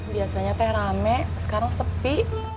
biasanya teh rame sekarang sepi